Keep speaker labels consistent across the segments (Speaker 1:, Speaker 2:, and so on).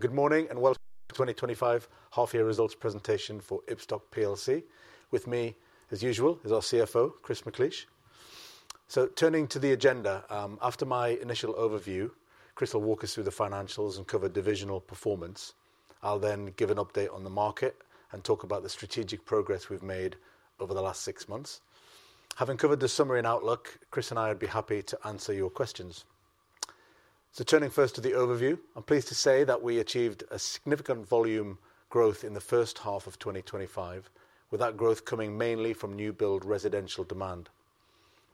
Speaker 1: Good morning and Welcome to the 2025 half-year results presentation for Ibstock Plc. With me, as usual, is our CFO, Chris McLeish. Turning to the agenda, after my initial overview, Chris will walk us through the financials and cover divisional performance. I'll then give an update on the market and talk about the strategic progress we've made over the last six months. Having covered the summary and outlook, Chris and I would be happy to answer your questions. Turning first to the overview, I'm pleased to say that we achieved significant volume growth in the first half of 2025, with that growth coming mainly from new build residential demand.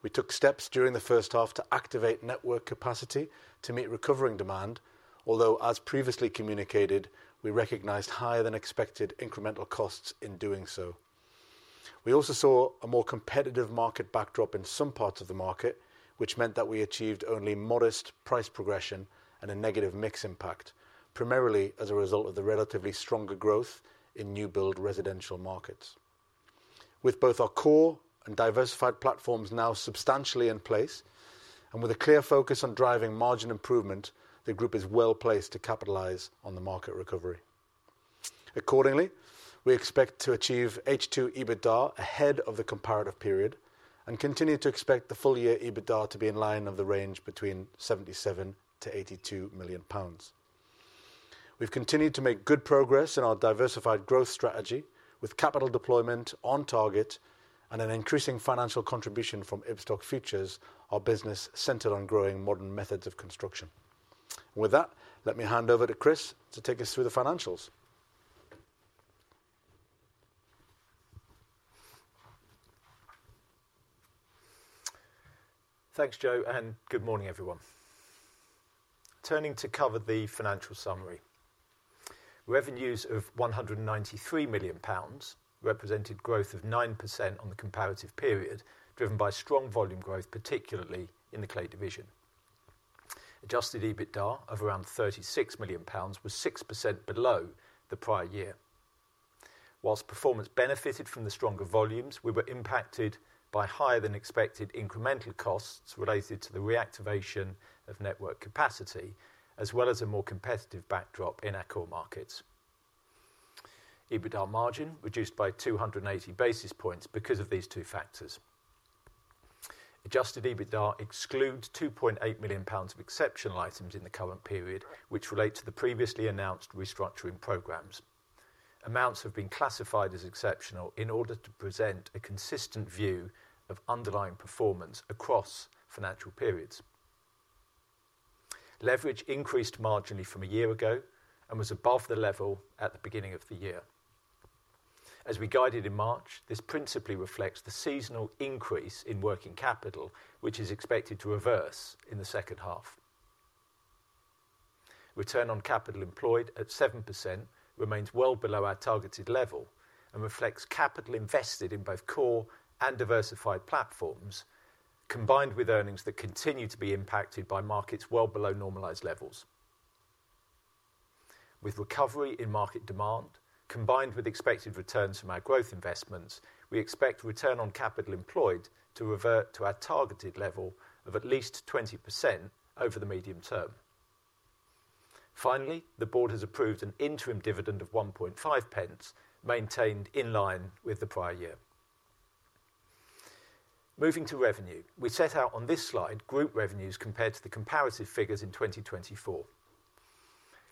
Speaker 1: We took steps during the first half to activate network capacity to meet recovering demand, although, as previously communicated, we recognized higher-than-expected incremental costs in doing so. We also saw a more competitive market backdrop in some parts of the market, which meant that we achieved only modest price progression and a negative mix impact, primarily as a result of the relatively stronger growth in new build residential markets. With both our core and diversified platforms now substantially in place, and with a clear focus on driving margin improvement, the group is well placed to capitalize on the market recovery. Accordingly, we expect to achieve H2 EBITDA ahead of the comparative period and continue to expect the full-year EBITDA to be in the range of between 77 million-82 million pounds. We've continued to make good progress in our diversified growth strategy, with capital deployment on target and an increasing financial contribution from Ibstock Futures, our business centered on growing modern methods of construction. With that, let me hand over to Chris to take us through the financials.
Speaker 2: Thanks, Joe, and good morning, everyone. Turning to cover the financial summary, revenues of GBP 193 million represented growth of 9% on the comparative period, driven by strong volume growth, particularly in the Clay division. Adjusted EBITDA of around 36 million pounds was 6% below the prior year. Whilst performance benefited from the stronger volumes, we were impacted by higher-than-expected incremental costs related to the reactivation of network capacity, as well as a more competitive backdrop in markets. EBITDA margin reduced by 280 basis points because of these two factors. Adjusted EBITDA excludes 2.8 million pounds of exceptional items in the current period, which relate to the previously announced restructuring programs. Amounts have been classified as exceptional in order to present a consistent view of underlying performance across financial periods. Leverage increased marginally from a year ago and was above the level at the beginning of the year. As we guided in March, this principally reflects the seasonal increase in working capital, which is expected to reverse in the second half. Return on capital employed at 7% remains well below our targeted level and reflects capital invested in both core and diversified platforms, combined with earnings that continue to be impacted by markets well below normalized levels. With recovery in market demand, combined with expected returns from our growth investments, we expect return on capital employed to revert to our targeted level of at least 20% over the medium term. Finally, the board has approved an interim dividend of 0.015, maintained in line with the prior year. Moving to revenue, we set out on this slide group revenues compared to the comparative figures in 2024.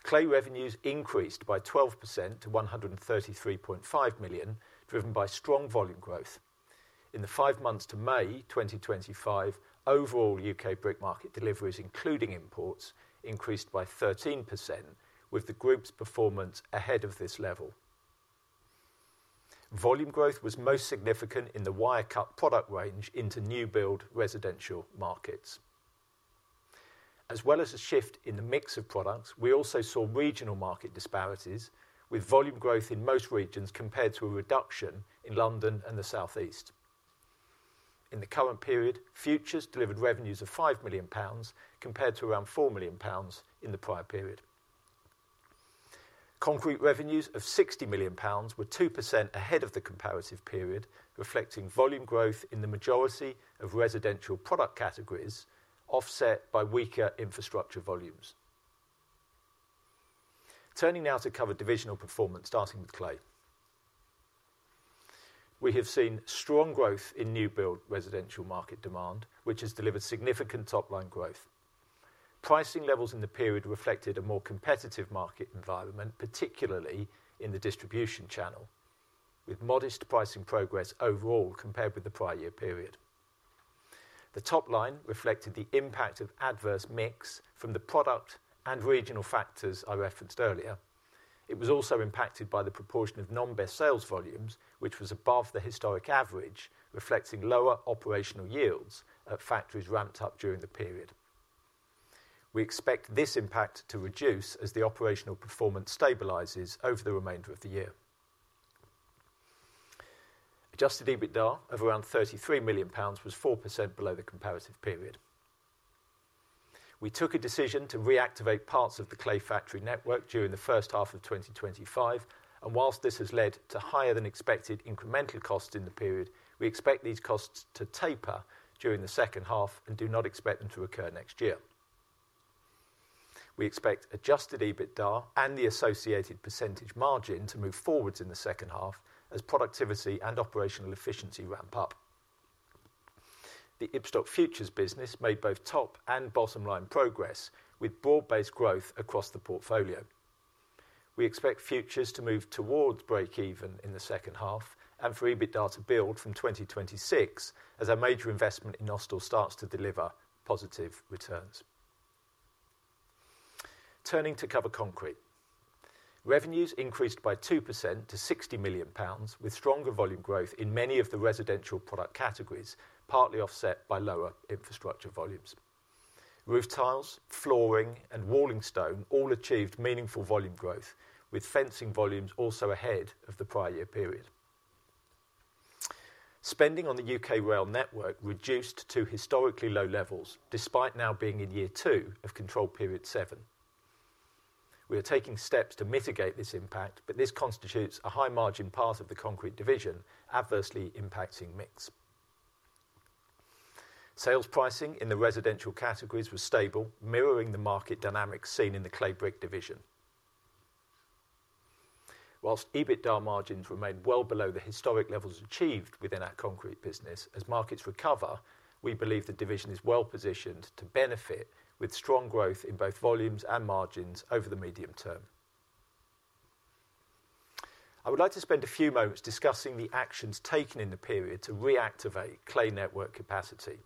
Speaker 2: Clay revenues increased by 12% to 133.5 million, driven by strong volume growth. In the five months to May 2025, overall U.K. brick market deliveries, including imports, increased by 13%, with the group's performance ahead of this level. Volume growth was most significant in the wire-cut product range into new build residential markets. As well as a shift in the mix of products, we also saw regional market disparities, with volume growth in most regions compared to a reduction in London and the South East. In the current period, Futures delivered revenues of 5 million pounds compared to around 4 million pounds in the prior period. Concrete revenues of 60 million pounds were 2% ahead of the comparative period, reflecting volume growth in the majority of residential product categories, offset by weaker infrastructure volumes. Turning now to cover divisional performance, starting with Clay. We have seen strong growth in new build residential market demand, which has delivered significant top-line growth. Pricing levels in the period reflected a more competitive market environment, particularly in the distribution channel, with modest pricing progress overall compared with the prior year period. The top line reflected the impact of adverse mix from the product and regional factors I referenced earlier. It was also impacted by the proportion of non-best sales volumes, which was above the historic average, reflecting lower operational yields at factories ramped up during the period. We expect this impact to reduce as the operational performance stabilizes over the remainder of the year. Adjusted EBITDA of around 33 million pounds was 4% below the comparative period. We took a decision to reactivate parts of the Clay factory network during the first half of 2025, and whilst this has led to higher-than-expected incremental costs in the period, we expect these costs to taper during the second half and do not expect them to recur next year. We expect adjusted EBITDA and the associated percentage margin to move forwards in the second half as productivity and operational efficiency ramp up. The Ibstock Futures business made both top and bottom-line progress, with broad-based growth across the portfolio. We expect Futures to move towards break-even in the second half and for EBITDA to build from 2026 as our major investment in Nostell starts to deliver positive returns. Turning to cover Concrete, revenues increased by 2% to 60 million pounds, with stronger volume growth in many of the residential product categories, partly offset by lower infrastructure volumes. Roof tiles, flooring, and walling stone all achieved meaningful volume growth, with fencing volumes also ahead of the prior year period. Spending on the U.K. rail network reduced to historically low levels, despite now being in year two of Control Period Seven. We are taking steps to mitigate this impact, but this constitutes a high margin part of the Concrete division, adversely impacting mix. Sales pricing in the residential categories was stable, mirroring the market dynamics seen in the Clay brick division. Whilst EBITDA margins remain well below the historic levels achieved within our Concrete business, as markets recover, we believe the division is well positioned to benefit with strong growth in both volumes and margins over the medium term. I would like to spend a few moments discussing the actions taken in the period to reactivate Clay network capacity.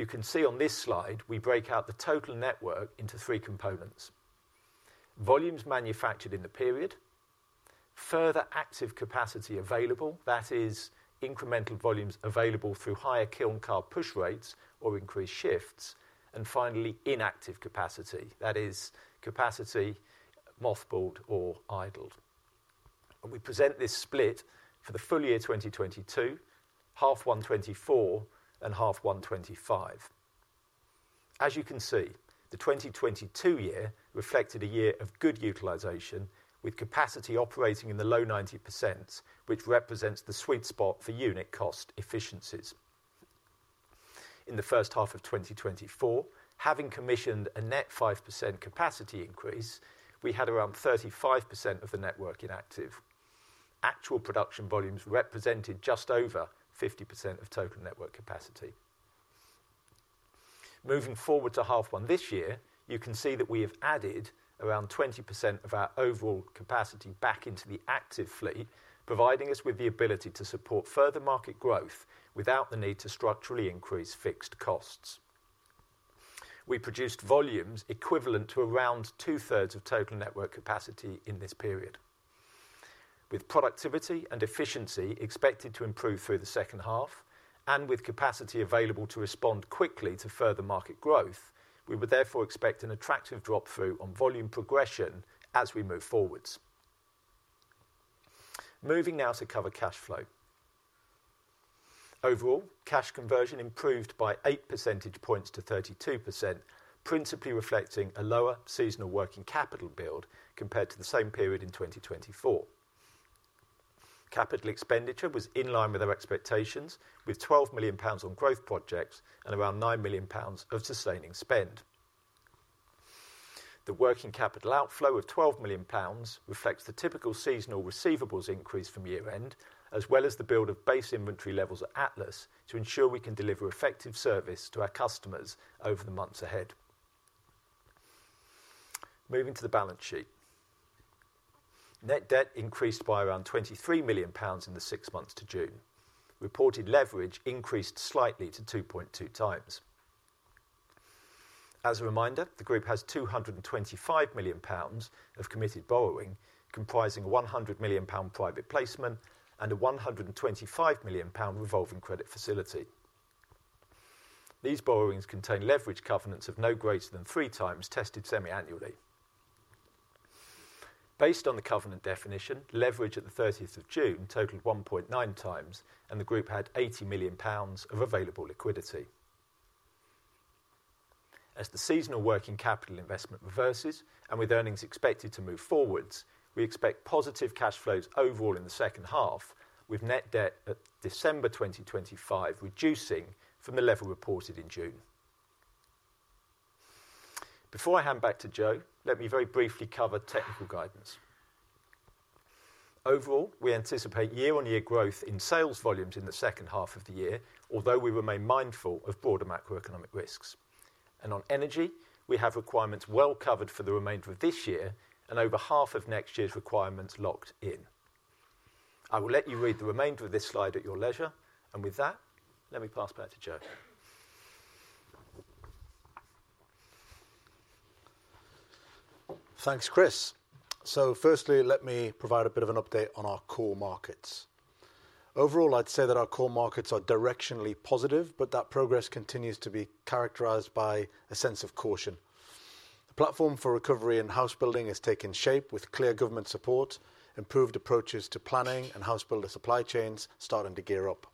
Speaker 2: You can see on this slide, we break out the total network into three components: volumes manufactured in the period, further active capacity available, that is, incremental volumes available through higher kiln car push rates or increased shifts, and finally, inactive capacity, that is, capacity mothballed or idled. We present this split for the full year 2022, half one 2024, and half one2025. As you can see, the 2022 year reflected a year of good utilization, with capacity operating in the low 90%, which represents the sweet spot for unit cost efficiencies. In the first half of 2024, having commissioned a net 5% capacity increase, we had around 35% of the network inactive. Actual production volumes represented just over 50% of total network capacity. Moving forward to half one this year, you can see that we have added around 20% of our overall capacity back into the active fleet, providing us with the ability to support further market growth without the need to structurally increase fixed costs. We produced volumes equivalent to around two-thirds of total network capacity in this period. With productivity and efficiency expected to improve through the second half, and with capacity available to respond quickly to further market growth, we would therefore expect an attractive drop through on volume progression as we move forwards. Moving now to cover cash flow. Overall, cash conversion improved by 8 percentage points to 32%, principally reflecting a lower seasonal working capital build compared to the same period in 2024. Capital expenditure was in line with our expectations, with 12 million pounds on growth projects and around 9 million pounds of sustaining spend. The working capital outflow of 12 million pounds reflects the typical seasonal receivables increase from year-end, as well as the build of base inventory levels at Atlas to ensure we can deliver effective service to our customers over the months ahead. Moving to the balance sheet, net debt increased by around 23 million pounds in the six months to June. Reported leverage increased slightly to 2.2x. As a reminder, the group has 225 million pounds of committed borrowing, comprising a 100 million pound private placement and a 125 million pound revolving credit facility. These borrowings contain leverage covenants of no greater than three times tested semi-annually. Based on the covenant definition, leverage at the 30th of June totaled 1.9x, and the group had 80 million pounds of available liquidity. As the seasonal working capital investment reverses and with earnings expected to move forwards, we expect positive cash flows overall in the second half, with net debt at December 2025 reducing from the level reported in June. Before I hand back to Joe, let me very briefly cover technical guidance. Overall, we anticipate year-on-year growth in sales volumes in the second half of the year, although we remain mindful of broader macroeconomic risks. On energy, we have requirements well covered for the remainder of this year and over half of next year's requirements locked in. I will let you read the remainder of this slide at your leisure, and with that, let me pass back to Joe.
Speaker 1: Thanks, Chris. Firstly, let me provide a bit of an update on our core markets. Overall, I'd say that our core markets are directionally positive, but that progress continues to be characterized by a sense of caution. The platform for recovery and housebuilding has taken shape with clear government support, improved approaches to planning, and housebuilder supply chains starting to gear up.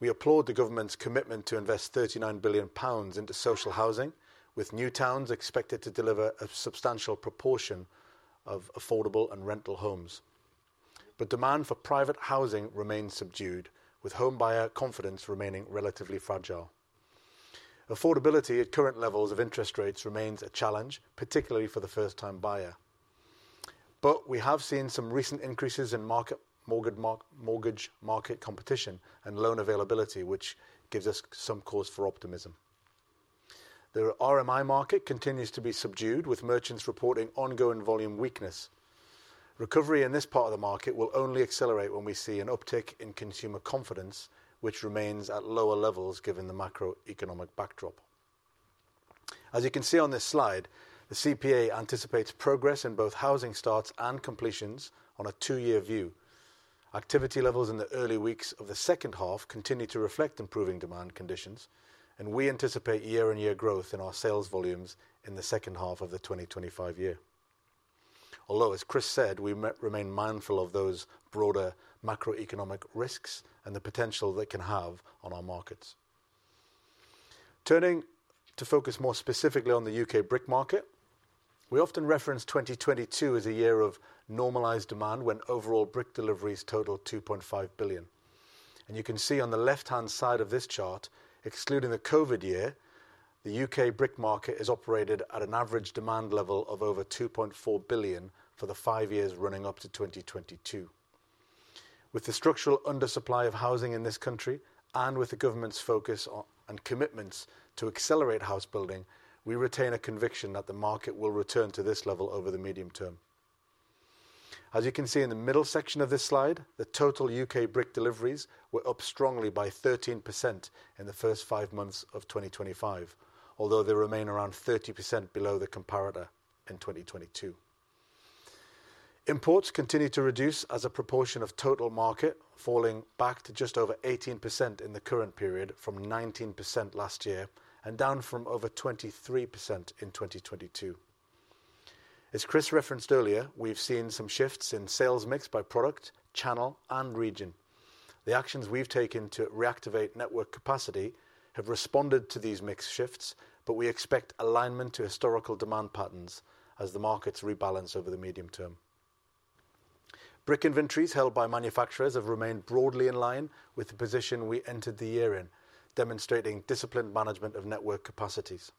Speaker 1: We applaud the government's commitment to invest 39 billion pounds into social housing, with new towns expected to deliver a substantial proportion of affordable and rental homes. Demand for private housing remains subdued, with home buyer confidence remaining relatively fragile. Affordability at current levels of interest rates remains a challenge, particularly for the first-time buyer. We have seen some recent increases in mortgage market competition and loan availability, which gives us some cause for optimism. The RMI market continues to be subdued, with merchants reporting ongoing volume weakness. Recovery in this part of the market will only accelerate when we see an uptick in consumer confidence, which remains at lower levels given the macroeconomic backdrop. As you can see on this slide, the CPA anticipates progress in both housing starts and completions on a two-year view. Activity levels in the early weeks of the second half continue to reflect improving demand conditions, and we anticipate year-on-year growth in our sales volumes in the second half of the 2025 year. Although, as Chris said, we remain mindful of those broader macroeconomic risks and the potential they can have on our markets. Turning to focus more specifically on the U.K. brick market, we often reference 2022 as a year of normalized demand when overall brick deliveries totaled 2.5 billion. You can see on the left-hand side of this chart, excluding the COVID year, the U.K. brick market has operated at an average demand level of over 2.4 billion for the five years running up to 2022. With the structural undersupply of housing in this country and with the government's focus and commitments to accelerate housebuilding, we retain a conviction that the market will return to this level over the medium term. As you can see in the middle section of this slide, the total U.K. brick deliveries were up strongly by 13% in the first five months of 2025, although they remain around 30% below the comparator in 2022. Imports continue to reduce as a proportion of total market, falling back to just over 18% in the current period from 19% last year and down from over 23% in 2022. As Chris referenced earlier, we've seen some shifts in sales mix by product, channel, and region. The actions we've taken to reactivate network capacity have responded to these mix shifts, but we expect alignment to historical demand patterns as the markets rebalance over the medium term. Brick inventories held by manufacturers have remained broadly in line with the position we entered the year in, demonstrating disciplined management of network capacities.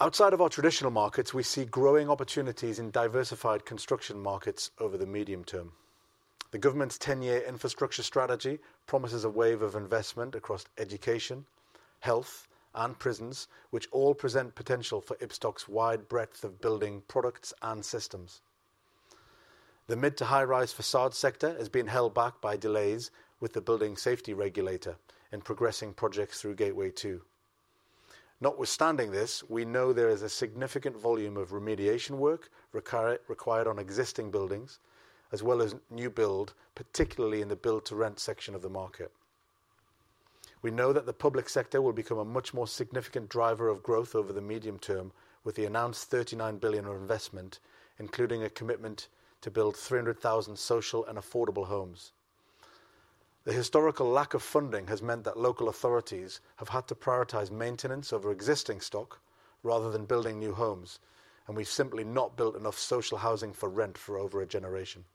Speaker 1: Outside of our traditional markets, we see growing opportunities in diversified construction markets over the medium term. The government's 10-year infrastructure strategy promises a wave of investment across education, health, and prisons, which all present potential for Ibstock's wide breadth of building products and systems. The mid-to-high-rise facade sector has been held back by delays with the building safety regulator and progressing projects through Gateway 2. Notwithstanding this, we know there is a significant volume of remediation work required on existing buildings, as well as new build, particularly in the build-to-rent section of the market. We know that the public sector will become a much more significant driver of growth over the medium term, with the announced 39 billion investment, including a commitment to build 300,000 social and affordable homes. The historical lack of funding has meant that local authorities have had to prioritize maintenance over existing stock rather than building new homes, and we've simply not built enough social housing for rent for over a generation.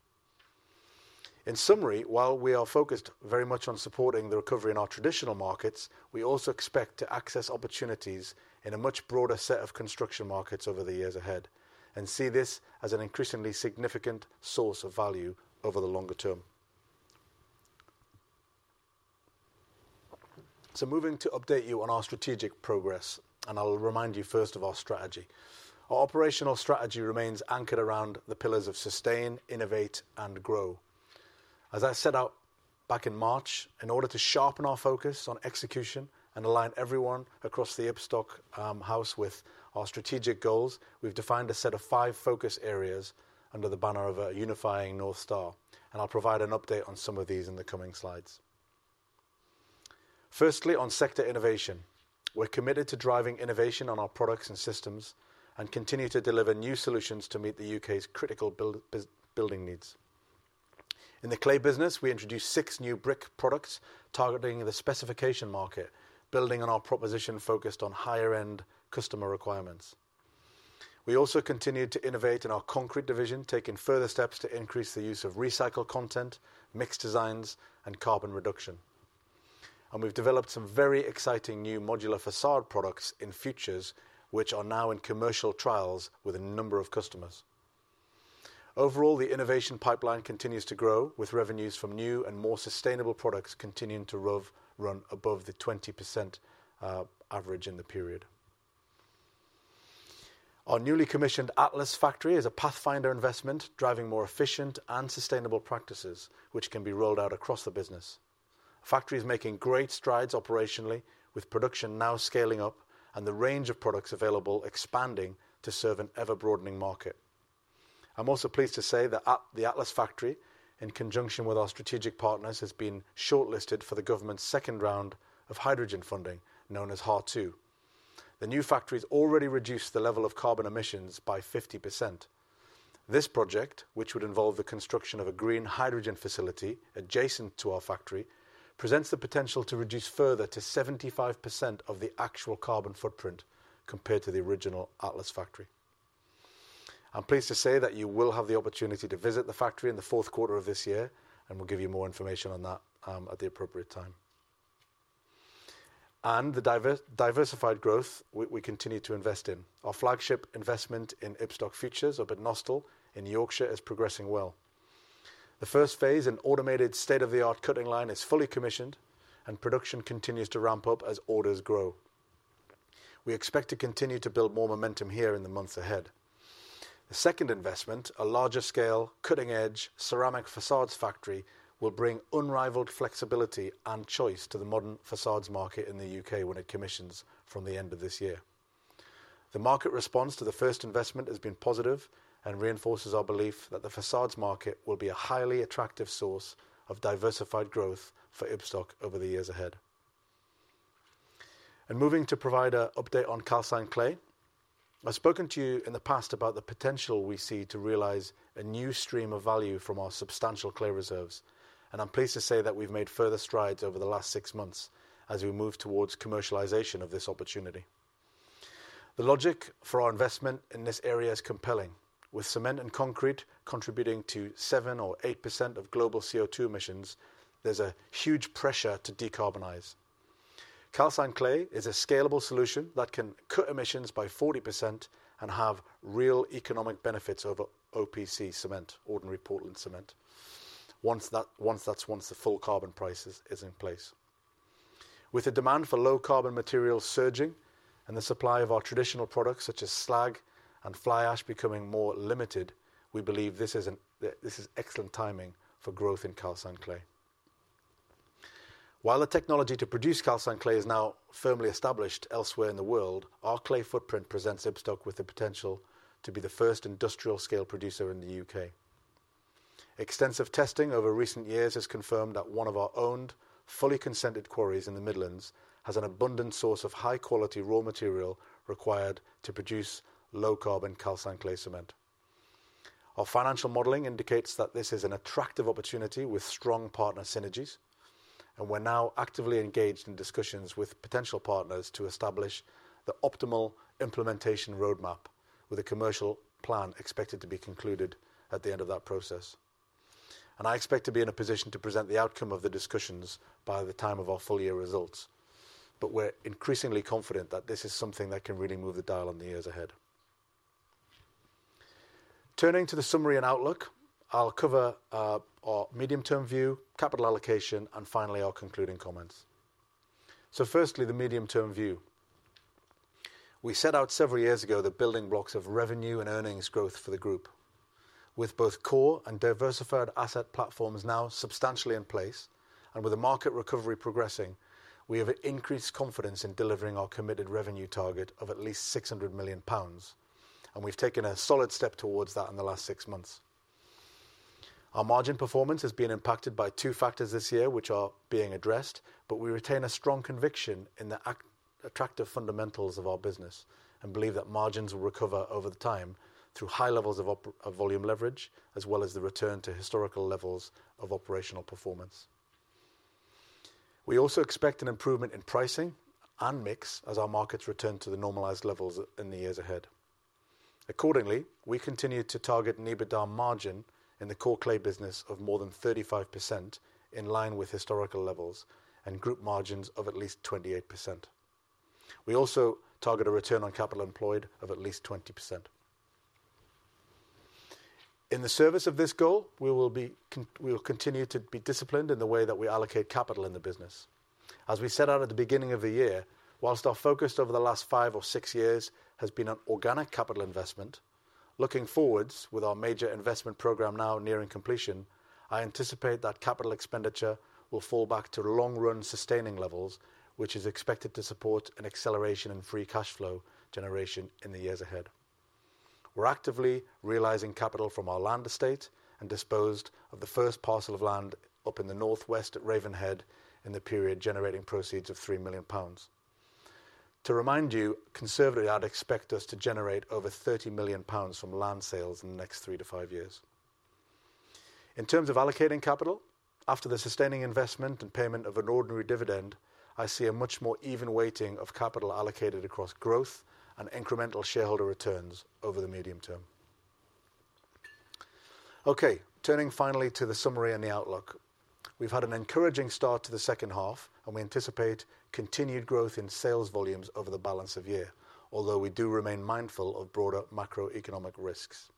Speaker 1: In summary, while we are focused very much on supporting the recovery in our traditional markets, we also expect to access opportunities in a much broader set of construction markets over the years ahead and see this as an increasingly significant source of value over the longer term. Moving to update you on our strategic progress, I'll remind you first of our strategy. Our operational strategy remains anchored around the pillars of sustain, innovate, and grow. As I set out back in March, in order to sharpen our focus on execution and align everyone across the Ibstock House with our strategic goals, we've defined a set of five focus areas under the banner of a unifying North Star, and I'll provide an update on some of these in the coming slides. Firstly, on sector innovation, we're committed to driving innovation on our products and systems and continue to deliver new solutions to meet the U.K. 's critical building needs. In the Clay business, we introduced six new brick products targeting the specification market, building on our proposition focused on higher-end customer requirements. We also continue to innovate in our Concrete division, taking further steps to increase the use of recycled content, mixed designs, and carbon reduction. We've developed some very exciting new modular facade products in Futures, which are now in commercial trials with a number of customers. Overall, the innovation pipeline continues to grow, with revenues from new and more sustainable products continuing to run above the 20% average in the period. Our newly commissioned Atlas factory is a pathfinder investment, driving more efficient and sustainable practices, which can be rolled out across the business. The factory is making great strides operationally, with production now scaling up and the range of products available expanding to serve an ever-broadening market. I'm also pleased to say that the Atlas factory, in conjunction with our strategic partners, has been shortlisted for the government's second round of hydrogen funding, known as HAR2. The new factory has already reduced the level of carbon emissions by 50%. This project, which would involve the construction of a green hydrogen facility adjacent to our factory, presents the potential to reduce further to 75% of the actual carbon footprint compared to the original Atlas factory. I'm pleased to say that you will have the opportunity to visit the factory in the fourth quarter of this year, and we'll give you more information on that at the appropriate time. The diversified growth we continue to invest in. Our flagship investment in Ibstock Futures, or at Nostell, in Yorkshire is progressing well. The first phase in automated state-of-the-art cutting line is fully commissioned, and production continues to ramp up as orders grow. We expect to continue to build more momentum here in the months ahead. A second investment, a larger-scale cutting-edge ceramic facades factory, will bring unrivaled flexibility and choice to the modern facades market in the U.K. when it commissions from the end of this year. The market response to the first investment has been positive and reinforces our belief that the facades market will be a highly attractive source of diversified growth for Ibstock over the years ahead. Moving to provide an update on calcined clay, I've spoken to you in the past about the potential we see to realize a new stream of value from our substantial clay reserves, and I'm pleased to say that we've made further strides over the last six months as we move towards commercialization of this opportunity. The logic for our investment in this area is compelling. With cement and concrete contributing to 7% or 8% of global CO2 emissions, there's a huge pressure to decarbonize. Calcined clay is a scalable solution that can cut emissions by 40% and have real economic benefits over OPC cement, Ordinary Portland Cement, once the full carbon price is in place. With the demand for low carbon materials surging and the supply of our traditional products such as slag and fly ash becoming more limited, we believe this is excellent timing for growth in calcined clay. While the technology to produce calcined clay is now firmly established elsewhere in the world, our clay footprint presents Ibstock with the potential to be the first industrial-scale producer in the U.K.. Extensive testing over recent years has confirmed that one of our owned fully consented quarries in the Midlands has an abundant source of high-quality raw material required to produce low carbon calcined clay cement. Our financial modeling indicates that this is an attractive opportunity with strong partner synergies, and we're now actively engaged in discussions with potential partners to establish the optimal implementation roadmap, with a commercial plan expected to be concluded at the end of that process. I expect to be in a position to present the outcome of the discussions by the time of our full-year results, but we're increasingly confident that this is something that can really move the dial in the years ahead. Turning to the summary and outlook, I'll cover our medium-term view, capital allocation, and finally our concluding comments. Firstly, the medium-term view. We set out several years ago the building blocks of revenue and earnings growth for the group. With both core and diversified asset platforms now substantially in place, and with the market recovery progressing, we have increased confidence in delivering our committed revenue target of at least 600 million pounds, and we've taken a solid step towards that in the last six months. Our margin performance has been impacted by two factors this year, which are being addressed, but we retain a strong conviction in the attractive fundamentals of our business and believe that margins will recover over time through high levels of volume leverage, as well as the return to historical levels of operational performance. We also expect an improvement in pricing and mix as our markets return to the normalized levels in the years ahead. Accordingly, we continue to target an EBITDA margin in the core Clay business of more than 35% in line with historical levels and group margins of at least 28%. We also target a return on capital employed of at least 20%. In the service of this goal, we will continue to be disciplined in the way that we allocate capital in the business. As we set out at the beginning of the year, whilst our focus over the last five or six years has been on organic capital investment, looking forwards with our major investment program now nearing completion, I anticipate that capital expenditure will fall back to long-run sustaining levels, which is expected to support an acceleration in free cash flow generation in the years ahead. We're actively realizing capital from our land estate and disposed of the first parcel of land up in the northwest at Ravenhead in the period, generating proceeds of 3 million pounds. To remind you, conservatively, I'd expects us to generate over 30 million pounds from land sales in the next three years-five years. In terms of allocating capital, after the sustaining investment and payment of an ordinary dividend, I see a much more even weighting of capital allocated across growth and incremental shareholder returns over the medium term. Okay, turning finally to the summary and the outlook. We've had an encouraging start to the second half, and we anticipate continued growth in sales volumes over the balance of year, although we do remain mindful of broader macroeconomic risks.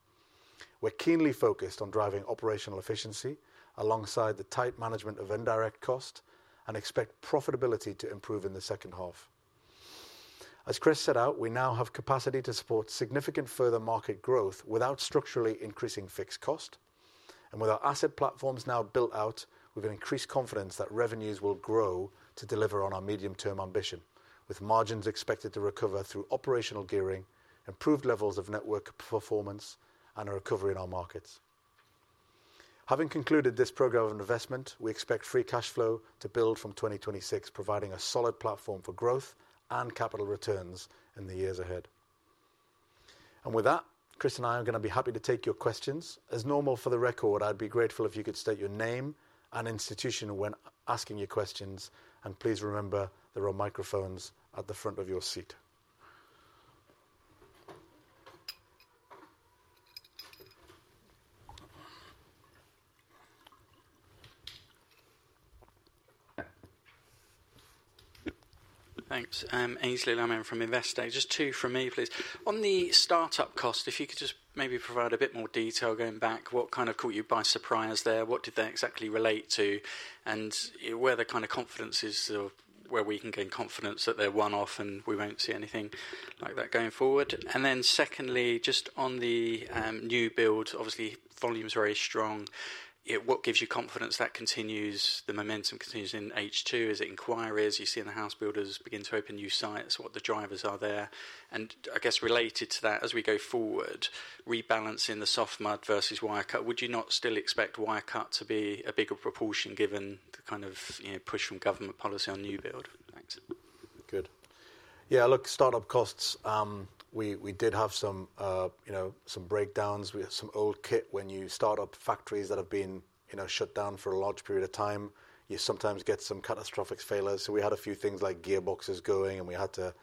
Speaker 1: We're keenly focused on driving operational efficiency alongside the tight management of indirect costs and expect profitability to improve in the second half. As Chris set out, we now have capacity to support significant further market growth without structurally increasing fixed costs, and with our asset platforms now built out, we've increased confidence that revenues will grow to deliver on our medium-term ambition, with margins expected to recover through operational gearing, improved levels of network performance, and a recovery in our markets. Having concluded this program of investment, we expect free cash flow to build from 2026, providing a solid platform for growth and capital returns in the years ahead. Chris and I are going to be happy to take your questions. As normal for the record, I'd be grateful if you could state your name and institution when asking your questions, and please remember there are microphones at the front of your seat.
Speaker 3: Thanks. Aynsley Lammin from Investec. Just two from me, please. On the startup cost, if you could just maybe provide a bit more detail going back, what kind of caught you by surprise there? What did that exactly relate to? Where the kind of confidence is, or where we can gain confidence that they're one-off and we won't see anything like that going forward? Secondly, just on the new build, obviously volumes are very strong. What gives you confidence that continues, the momentum continues in H2? Is it inquiry as you see in the house builders begin to open new sites? What the drivers are there? I guess related to that, as we go forward, rebalancing the soft mud versus wire-cut, would you not still expect wire-cut to be a bigger proportion given the kind of push from government policy on new build?
Speaker 1: Good. Yeah, look, startup costs, we did have some breakdowns. We have some old kit when you start up factories that have been shut down for a large period of time. You sometimes get some catastrophic failures. We had a few things like gearboxes going and we had to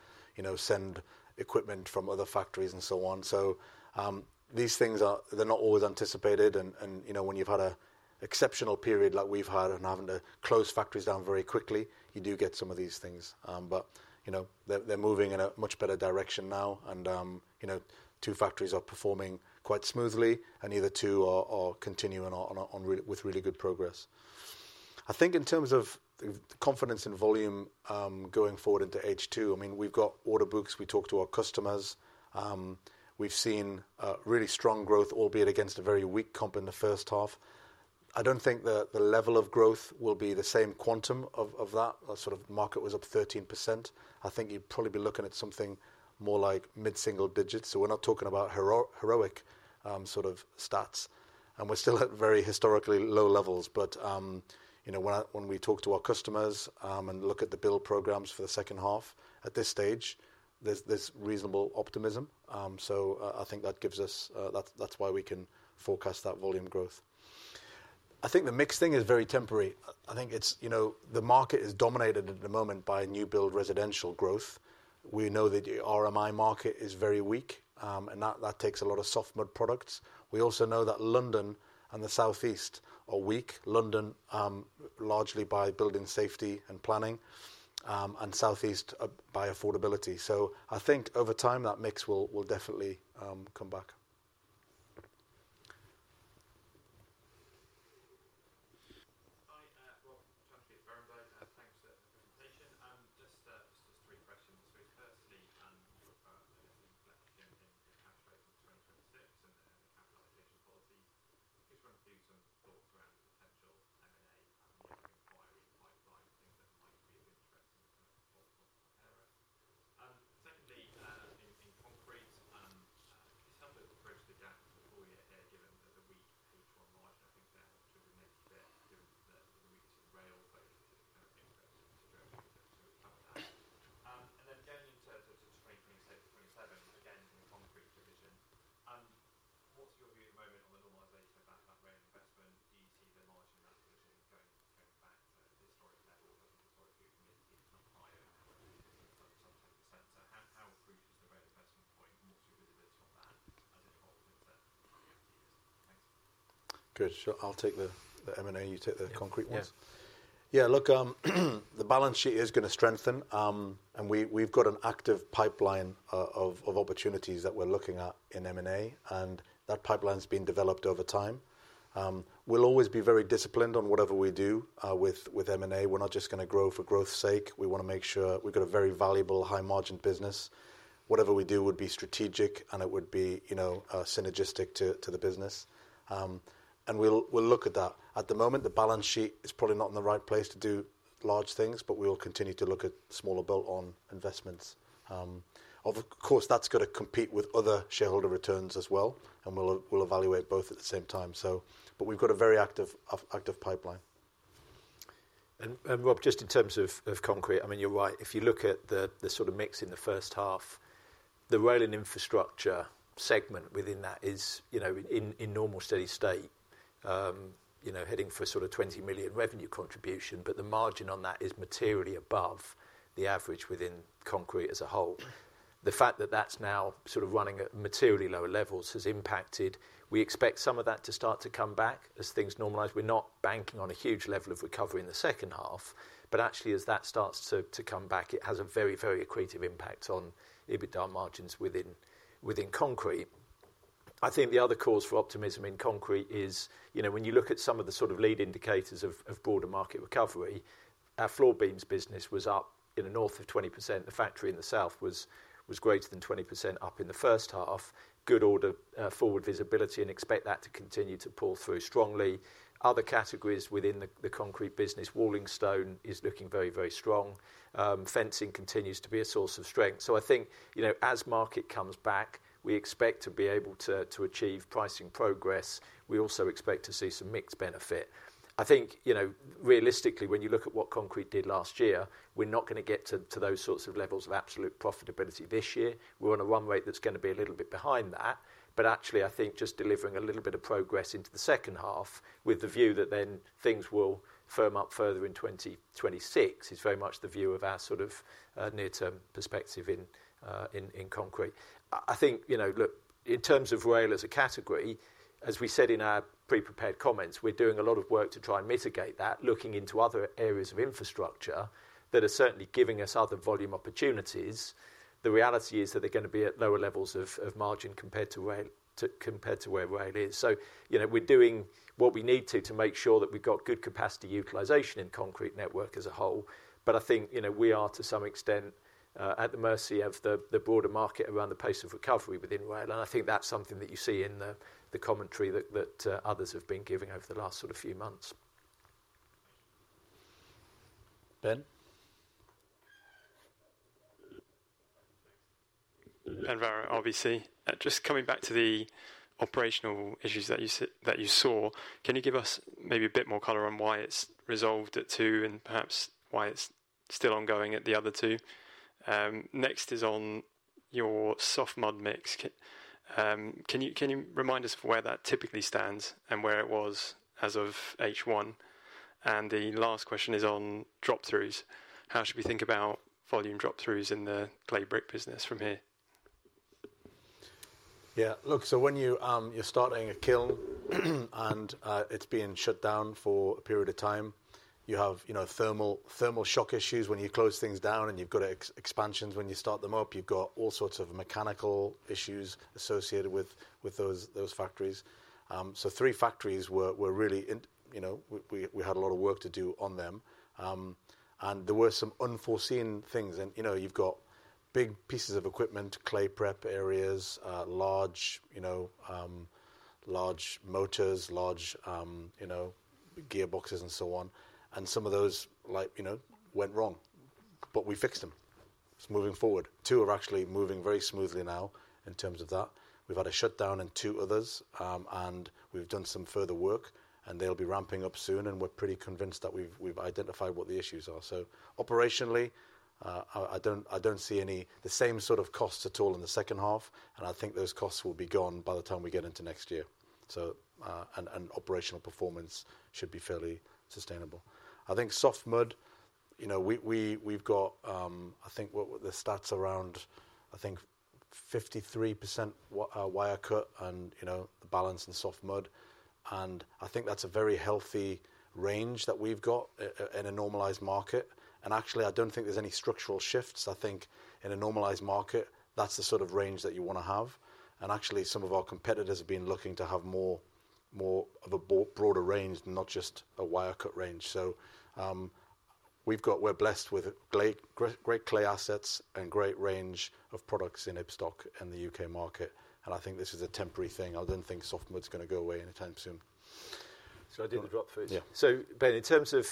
Speaker 1: send equipment from other factories and so on. These things are not always anticipated. When you've had an exceptional period like we've had and having to close factories down very quickly, you do get some of these things. They're moving in a much better direction now. Two factories are performing quite smoothly and the other two are continuing on with really good progress. I think in terms of the confidence in volume going forward into H2, we've got order books, we talk to our customers, we've seen really strong growth, albeit against a very weak comp in the first half. I don't think the level of growth will be the same quantum of that. Our sort of market was up 13%. I think you'd probably be looking at something more like mid-single digits. We're not talking about heroic sort of stats. We're still at very historically low levels. When we talk to our customers and look at the build programs for the second half at this stage, there's reasonable optimism. I think that gives us, that's why we can forecast that volume growth. I think the mix thing is very temporary. I think the market is dominated at the moment by new build residential growth. We know that the RMI market is very weak and that takes a lot of soft mud products. We also know that London and the South East are weak. London, largely by building safety and planning, and South East by affordability. I think over time that mix will definitely come back. We'll look at that. At the moment, the balance sheet is probably not in the right place to do large things, but we will continue to look at smaller built-on investments. Of course, that's got to compete with other shareholder returns as well, and we'll evaluate both at the same time. We've got a very active pipeline.
Speaker 2: [Rob], just in terms of Concrete, you're right. If you look at the sort of mix in the first half, the rail and infrastructure segment within that is, in normal steady state, heading for sort of 20 million revenue contribution, but the margin on that is materially above the average within Concrete as a whole. The fact that that's now running at materially lower levels has impacted. We expect some of that to start to come back as things normalize. We're not banking on a huge level of recovery in the second half, but actually as that starts to come back, it has a very, very accretive impact on EBITDA margins within Concrete. I think the other cause for optimism in Concrete is, when you look at some of the sort of lead indicators of broader market recovery, our floor beams business was up in the north of 20%. The factory in the south was greater than 20% up in the first half. Good order forward visibility and expect that to continue to pull through strongly. Other categories within the Concrete business, walling stone is looking very, very strong. Fencing continues to be a source of strength. I think, as market comes back, we expect to be able to achieve pricing progress. We also expect to see some mixed benefit. I think, realistically, when you look at what Concrete did last year, we're not going to get to those sorts of levels of absolute profitability this year. We're on a run rate that's going to be a little bit behind that. Actually, I think just delivering a little bit of progress into the second half with the view that then things will firm up further in 2026 is very much the view of our sort of near-term perspective in Concrete. I think, in terms of rail as a category, as we said in our pre-prepared comments, we're doing a lot of work to try and mitigate that, looking into other areas of infrastructure that are certainly giving us other volume opportunities. The reality is that they're going to be at lower levels of margin compared to where rail is. We're doing what we need to to make sure that we've got good capacity utilization in Concrete network as a whole. I think we are to some extent at the mercy of the broader market around the pace of recovery within rail. I think that's something that you see in the commentary that others have been giving over the last few months.
Speaker 1: Ben.
Speaker 4: Obviously, just coming back to the operational issues that you saw, can you give us maybe a bit more color on why it's resolved at two and perhaps why it's still ongoing at the other two? Next is on your soft mud mix. Can you remind us where that typically stands and where it was as of H1? The last question is on drop-throughs. How should we think about volume drop-throughs in the clay brick business from here?
Speaker 1: Yeah, look, when you're starting a kiln and it's been shut down for a period of time, you have thermal shock issues when you close things down and you've got expansions when you start them up. You've got all sorts of mechanical issues associated with those factories. Three factories were really, you know, we had a lot of work to do on them. There were some unforeseen things. You've got big pieces of equipment, clay prep areas, large motors, large gearboxes and so on. Some of those, like, went wrong, but we fixed them. It's moving forward. Two are actually moving very smoothly now in terms of that. We've had a shutdown in two others, and we've done some further work, and they'll be ramping up soon. We're pretty convinced that we've identified what the issues are. Operationally, I don't see any the same sort of costs at all in the second half. I think those costs will be gone by the time we get into next year. Operational performance should be fairly sustainable. I think soft mud, you know, we've got, I think the stats around, I think, 53% wire-cut and the balance in soft mud. I think that's a very healthy range that we've got in a normalized market. Actually, I don't think there's any structural shifts. I think in a normalized market, that's the sort of range that you want to have. Actually, some of our competitors have been looking to have more, more of a broader range, not just a wire-cut range. We're blessed with great clay assets and great range of products in Ibstock and the U.K. market. I think this is a temporary thing. I don't think soft mud's going to go away anytime soon.
Speaker 2: I did the drop-through. Ben, in terms of,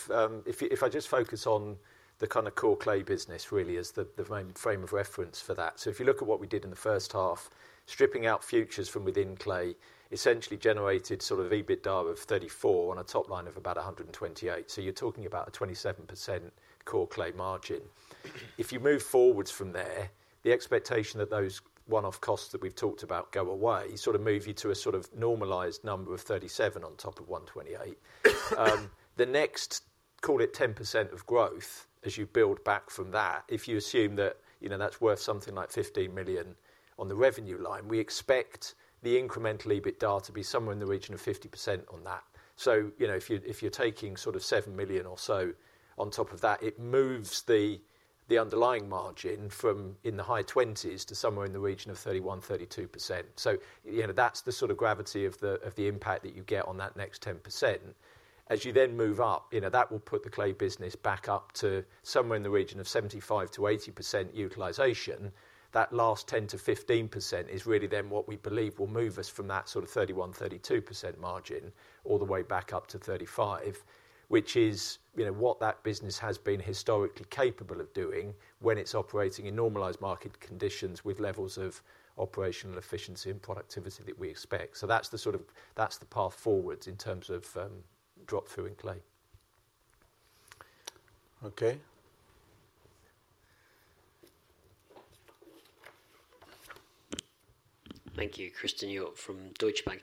Speaker 2: if I just focus on the kind of core clay business really as the main frame of reference for that. If you look at what we did in the first half, stripping out Futures from within Clay essentially generated sort of EBITDA of 34 million on a top line of about 128 million. You're talking about a 27% core Clay margin. If you move forwards from there, the expectation that those one-off costs that we've talked about go away, you sort of move you to a sort of normalized number of 37 million on top of 128 million. The next, call it 10% of growth as you build back from that, if you assume that, you know, that's worth something like 15 million on the revenue line, we expect the incremental EBITDA to be somewhere in the region of 50% on that. If you're taking sort of 7 million or so on top of that, it moves the underlying margin from in the high 20s to somewhere in the region of 31%, 32%. That's the sort of gravity of the impact that you get on that next 10%. As you then move up, that will put the clay business back up to somewhere in the region of 75%-80% utilization. That last 10%-15% is really then what we believe will move us from that sort of 31%, 32% margin all the way back up to 35%, which is what that business has been historically capable of doing when it's operating in normalized market conditions with levels of operational efficiency and productivity that we expect. That's the path forwards in terms of drop-through in lay.
Speaker 1: Okay.
Speaker 5: Thank you, Christen Hjorth from Deutsche Bank.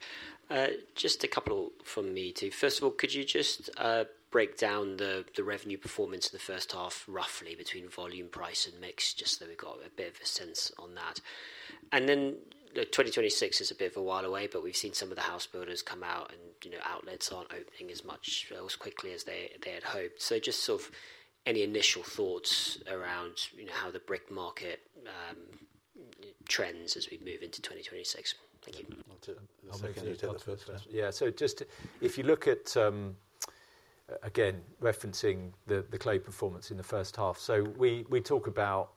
Speaker 5: Just a couple from me too. First of all, could you just break down the revenue performance in the first half roughly between volume, price, and mix, just so we've got a bit of a sense on that? The 2026 is a bit of a while away, but we've seen some of the house builders come out and, you know, outlets aren't opening as much as quickly as they had hoped. Just sort of any initial thoughts around, you know, how the brick market trends as we move into 2026.
Speaker 1: I'll make a note of that first.
Speaker 2: Yeah, just if you look at, again, referencing the clay performance in the first half. We talk about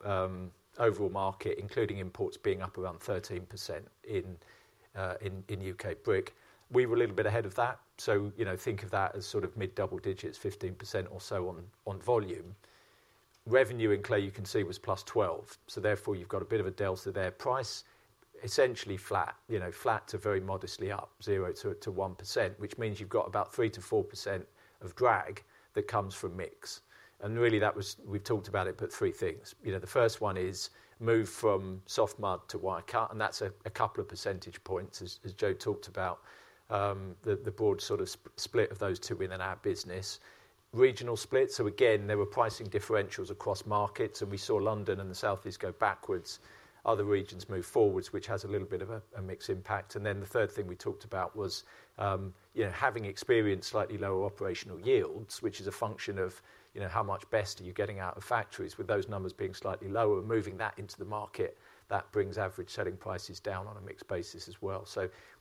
Speaker 2: overall market, including imports being up around 13% in U.K. brick. We were a little bit ahead of that. Think of that as sort of mid-double digits, 15% or so on volume. Revenue in clay, you can see, was +12. Therefore, you've got a bit of a delta there. Price essentially flat, flat to very modestly up, 0%-1%, which means you've got about 3%-4% of drag that comes from mix. That was, we've talked about it, but three things. The first one is move from soft mud to wire-cut, and that's a couple of percentage points as Joe talked about, the broad sort of split of those two in and out of business. Regional split, there were pricing differentials across markets, and we saw London and the South East go backwards. Other regions move forwards, which has a little bit of a mixed impact. The third thing we talked about was having experienced slightly lower operational yields, which is a function of how much best are you getting out of factories. With those numbers being slightly lower, moving that into the market, that brings average selling prices down on a mixed basis as well.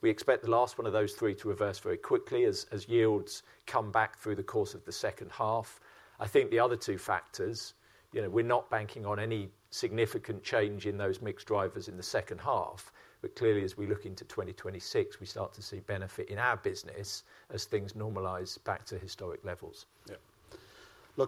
Speaker 2: We expect the last one of those three to reverse very quickly as yields come back through the course of the second half. I think the other two factors, we're not banking on any significant change in those mixed drivers in the second half, but clearly as we look into 2026, we start to see benefit in our business as things normalize back to historic levels.
Speaker 1: Yeah.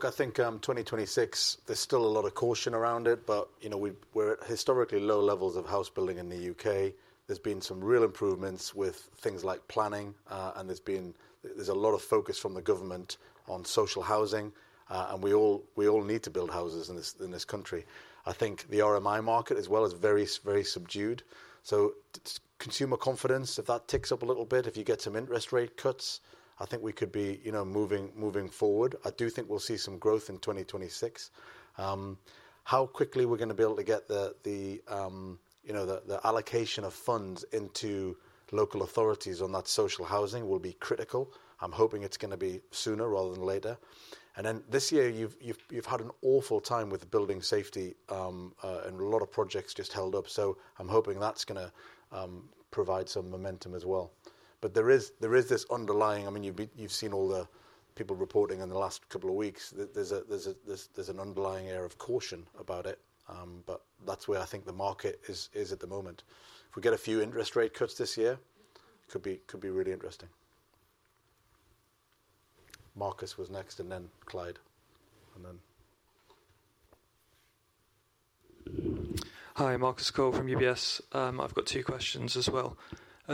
Speaker 1: I think 2026, there's still a lot of caution around it, but you know, we're at historically low levels of house building in the U.K.. There's been some real improvements with things like planning, and there's a lot of focus from the government on social housing, and we all need to build houses in this country. I think the RMI market as well is very, very subdued. Consumer confidence, if that ticks up a little bit, if you get some interest rate cuts, I think we could be moving forward. I do think we'll see some growth in 2026. How quickly we're going to be able to get the allocation of funds into local authorities on that social housing will be critical. I'm hoping it's going to be sooner rather than later. This year, you've had an awful time with building safety, and a lot of projects just held up. I'm hoping that's going to provide some momentum as well. There is this underlying, I mean, you've seen all the people reporting in the last couple of weeks, there's an underlying air of caution about it, but that's where I think the market is at the moment. If we get a few interest rate cuts this year, it could be really interesting. Marcus was next and then Clyde.
Speaker 6: Hi, Marcus Cole from UBS. I've got two questions as well.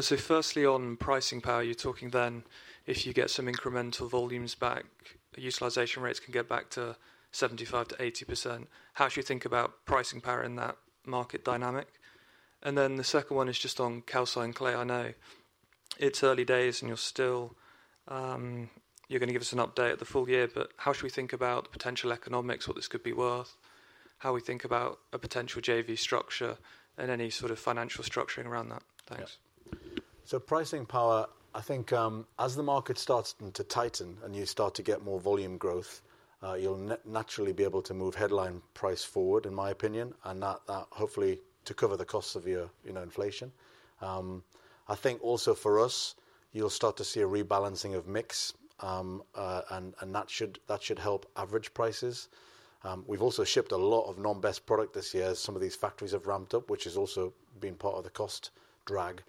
Speaker 6: Firstly, on pricing power, you're talking then if you get some incremental volumes back, the utilization rates can get back to 75%-80%. How should we think about pricing power in that market dynamic? The second one is just on calcined clay. I know it's early days and you're still, you're going to give us an update at the full year, but how should we think about the potential economics, what this could be worth, how we think about a potential JV structure and any sort of financial structuring around that? Thanks.
Speaker 2: Pricing power, I think as the market starts to tighten and you start to get more volume growth, you'll naturally be able to move headline price forward, in my opinion, and that hopefully to cover the costs of your inflation. I think also for us, you'll start to see a rebalancing of mix, and that should help average prices. We've also shipped a lot of non-best product this year as some of these factories have ramped up, which has also been part of the cost drag.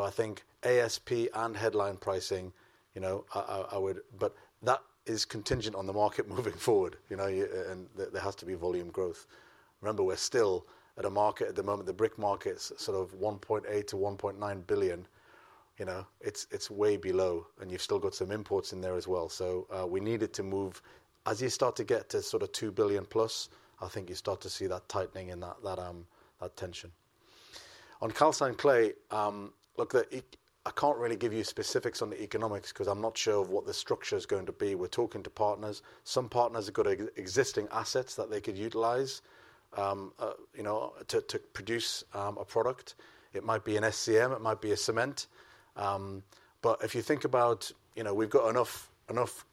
Speaker 2: I think ASP and headline pricing, you know, I would, but that is contingent on the market moving forward, you know, and there has to be volume growth. Remember, we're still at a market at the moment, the brick market's sort of 1.8 billion-1.9 billion, you know, it's way below, and you've still got some imports in there as well. We needed to move, as you start to get to sort of 2 billion plus, I think you start to see that tightening in that tension. On calcined clay, look, I can't really give you specifics on the economics because I'm not sure of what the structure is going to be. We're talking to partners. Some partners have got existing assets that they could utilize to produce a product. It might be an SCM, it might be a cement. If you think about, we've got enough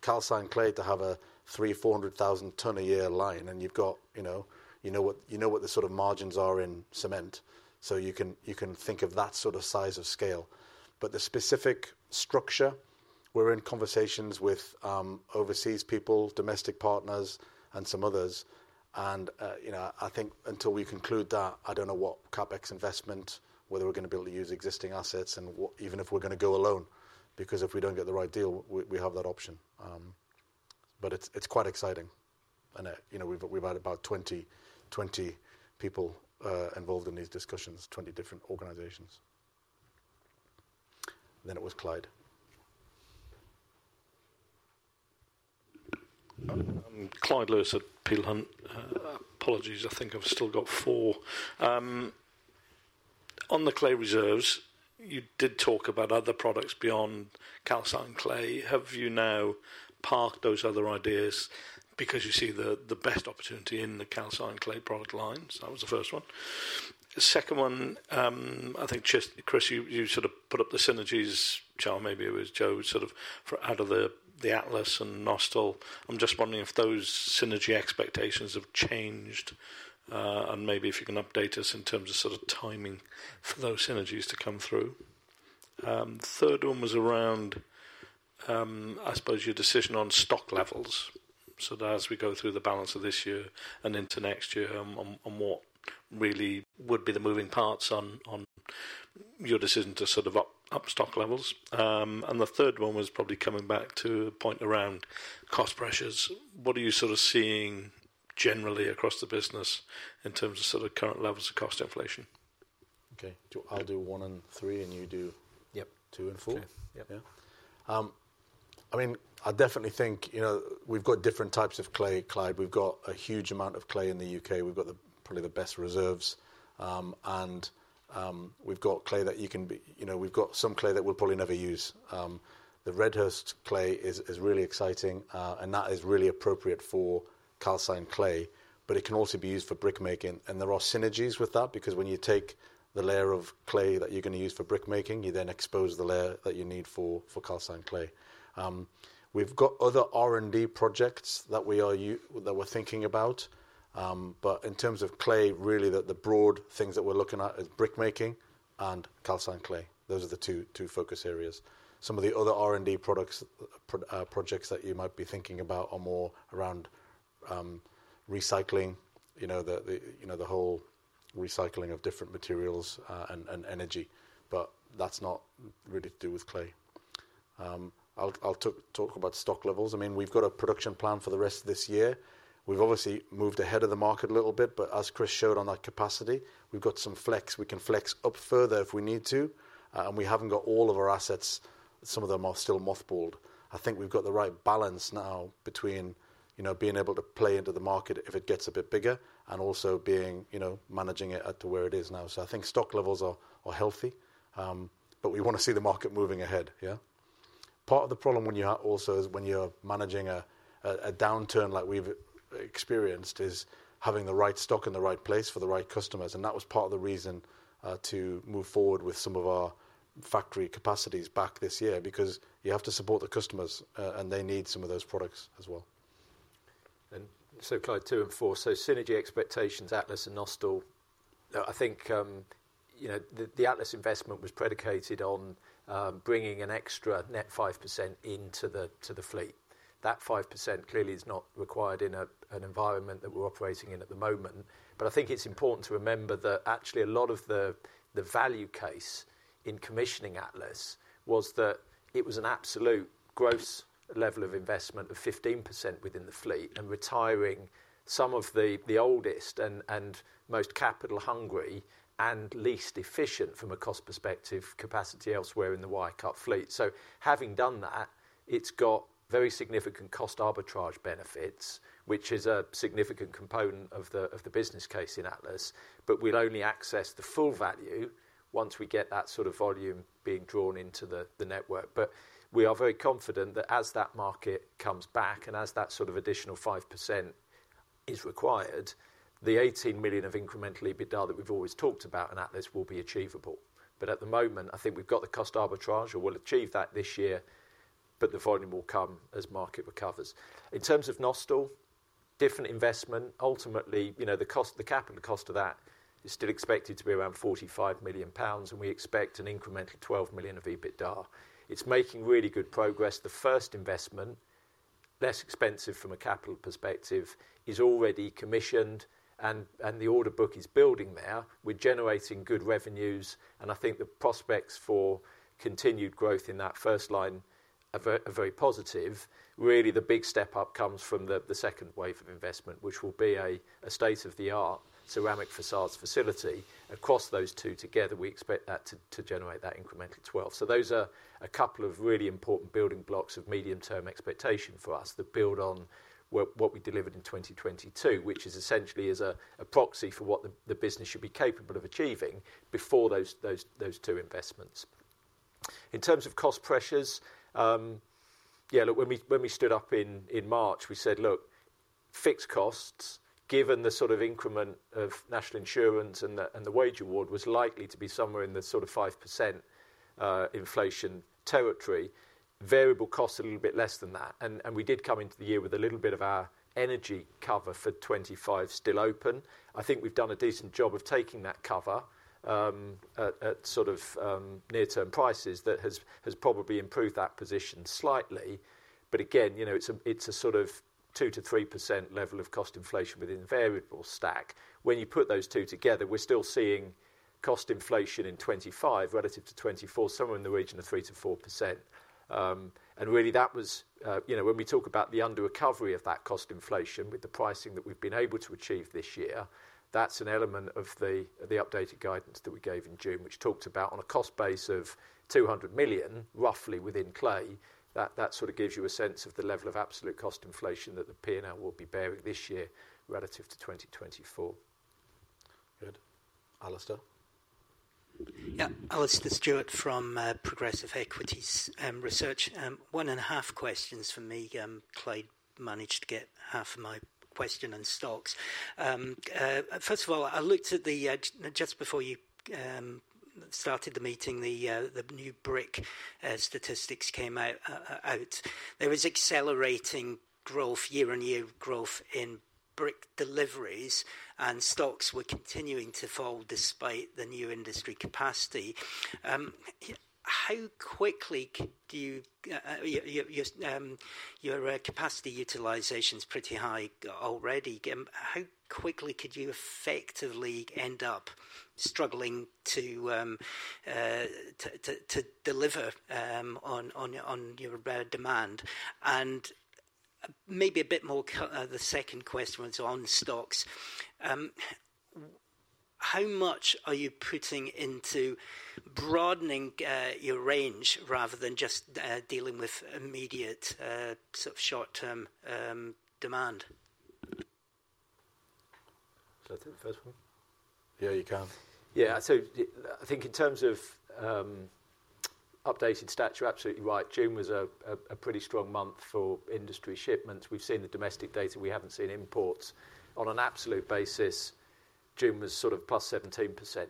Speaker 2: calcined clay to have a 300,000, 400,000 ton a year line, and you've got, you know what the sort of margins are in cement. You can think of that sort of size of scale. The specific structure, we're in conversations with overseas people, domestic partners, and some others. Until we conclude that, I don't know what CapEx investment, whether we're going to be able to use existing assets, and even if we're going to go alone, because if we don't get the right deal, we have that option. It's quite exciting. We've had about 20 people involved in these discussions, 20 different organizations. Then it was Clyde.
Speaker 7: Clyde Lewis at Peel Hunt. Apologies, I think I've still got four. On the clay reserves, you did talk about other products beyond calcined clay. Have you now parked those other ideas because you see the best opportunity in the calcined clay product lines? That was the first one. The second one, I think Chris, you sort of put up the synergies, Joe, maybe it was Joe, sort of out of the Atlas and Nostell. I'm just wondering if those synergy expectations have changed and maybe if you can update us in terms of sort of timing for those synergies to come through. The third one was around, I suppose, your decision on stock levels. As we go through the balance of this year and into next year, what really would be the moving parts on your decision to sort of up stock levels? The third one was probably coming back to a point around cost pressures. What are you sort of seeing generally across the business in terms of sort of current levels of cost inflation?
Speaker 1: Okay, I'll do one and three and you do two and four. I mean, I definitely think, you know, we've got different types of clay. We've got a huge amount of clay in the U.K.. We've got probably the best reserves. We've got clay that you can, you know, we've got some clay that we'll probably never use. The Redhurst clay is really exciting, and that is really appropriate for calcined clay, but it can also be used for brick making. There are synergies with that because when you take the layer of clay that you're going to use for brick making, you then expose the layer that you need for calcined clay. We've got other R&D projects that we are thinking about. In terms of clay, really the broad things that we're looking at are brick making and calcined clay. Those are the two focus areas. Some of the other R&D projects that you might be thinking about are more around recycling, you know, the whole recycling of different materials and energy. That's not really to do with clay. I'll talk about stock levels. We've got a production plan for the rest of this year. We've obviously moved ahead of the market a little bit, but as Chris showed on that capacity, we've got some flex. We can flex up further if we need to. We haven't got all of our assets. Some of them are still mothballed. I think we've got the right balance now between, you know, being able to play into the market if it gets a bit bigger and also being, you know, managing it to where it is now. I think stock levels are healthy. We want to see the market moving ahead. Part of the problem when you're managing a downturn like we've experienced is having the right stock in the right place for the right customers. That was part of the reason to move forward with some of our factory capacities back this year because you have to support the customers and they need some of those products as well.
Speaker 2: Clyde, two and four. Synergy expectations, Atlas and Nostell. The Atlas investment was predicated on bringing an extra net 5% into the fleet. That 5% clearly is not required in the environment that we're operating in at the moment. It's important to remember that a lot of the value case in commissioning Atlas was that it was an absolute gross level of investment of 15% within the fleet and retiring some of the oldest and most capital hungry and least efficient from a cost perspective capacity elsewhere in the wire-cut fleet. Having done that, it's got very significant cost arbitrage benefits, which is a significant component of the business case in Atlas. We'll only access the full value once we get that sort of volume being drawn into the network. We are very confident that as that market comes back and as that sort of additional 5% is required, the 18 million of incremental EBITDA that we've always talked about in Atlas will be achievable. At the moment, we've got the cost arbitrage and we'll achieve that this year, but the volume will come as market recovers. In terms of Nostell, different investment. Ultimately, the capital cost of that is still expected to be around 45 million pounds, and we expect an increment of 12 million of EBITDA. It's making really good progress. The first investment, less expensive from a capital perspective, is already commissioned, and the order book is building there. We're generating good revenues, and the prospects for continued growth in that first line are very positive. The big step up comes from the second wave of investment, which will be a state-of-the-art ceramic facades facility. Across those two together, we expect that to generate that incremental 12 million. Those are a couple of really important building blocks of medium-term expectation for us that build on what we delivered in 2022, which is essentially a proxy for what the business should be capable of achieving before those two investments. In terms of cost pressures, when we stood up in March, we said fixed costs, given the sort of increment of National Insurance and the wage award, was likely to be somewhere in the sort of 5% inflation territory, variable costs a little bit less than that. We did come into the year with a little bit of our energy cover for 2025 still open. I think we've done a decent job of taking that cover at sort of near-term prices that has probably improved that position slightly. Again, you know, it's a sort of 2%-3% level of cost inflation within the variable stack. When you put those two together, we're still seeing cost inflation in 2025 relative to 2024, somewhere in the region of 3% -4%. That was, you know, when we talk about the under-recovery of that cost inflation with the pricing that we've been able to achieve this year, that's an element of the updated guidance that we gave in June, which talked about on a cost base of 200 million, roughly within Clay, that sort of gives you a sense of the level of absolute cost inflation that the P&L will be bearing this year relative to 2024.
Speaker 1: Good. Alastair.
Speaker 8: Yeah, Alastair Stewart from Progressive Equity Research. One and a half questions for me. Clyde managed to get half of my question and stocks. First of all, I looked at the, just before you started the meeting, the new brick statistics came out. There was accelerating growth, year-on-year growth in brick deliveries, and stocks were continuing to fall despite the new industry capacity. How quickly do you, your capacity utilization is pretty high already. How quickly could you effectively end up struggling to deliver on your demand? Maybe a bit more, the second question was on stocks. How much are you putting into broadening your range rather than just dealing with immediate sort of short-term demand?
Speaker 1: I think the first one. Yeah, you can.
Speaker 2: Yeah, so I think in terms of updated stats, you're absolutely right. June was a pretty strong month for industry shipments. We've seen the domestic data. We haven't seen imports. On an absolute basis, June was sort of +17%,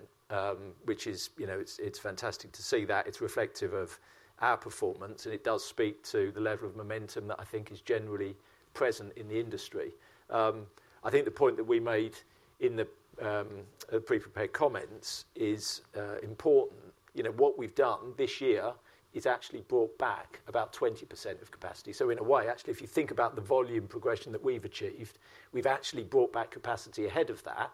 Speaker 2: which is, you know, it's fantastic to see that. It's reflective of our performance, and it does speak to the level of momentum that I think is generally present in the industry. I think the point that we made in the pre-prepared comments is important. What we've done this year is actually brought back about 20% of capacity. In a way, actually, if you think about the volume progression that we've achieved, we've actually brought back capacity ahead of that.